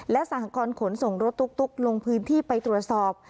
และสหกรณ์ขนส่งรถตุ๊กลงพื้นที่ไปตรวจสอบ